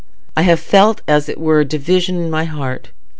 I have felt as it were a division in my heart.